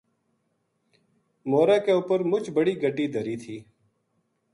مورا کے اُپر مچ بڑی گٹی دھری تھی